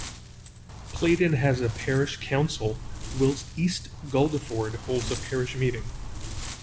Playden has a Parish Council whilst East Guldeford holds a Parish Meeting.